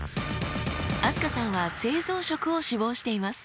飛鳥さんは製造職を志望しています。